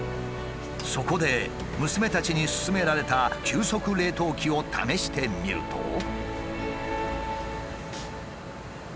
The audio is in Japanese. そこで娘たちにすすめられた急速冷凍機を試してみると。